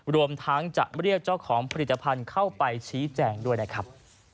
รวมทั้งจะเรียกเจ้าของผลิตภัณฑ์เข้าไปชี้แจงด้วยนะครับ